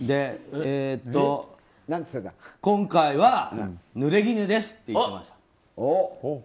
今回は濡れ衣ですって言ってました。